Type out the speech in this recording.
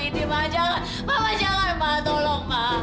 indi ma jangan mama jangan ma tolong ma